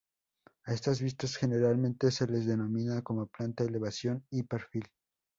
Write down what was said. A estas vistas generalmente se les denomina como: planta, elevación y perfil.